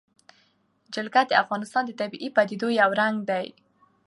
جلګه د افغانستان د طبیعي پدیدو یو رنګ دی.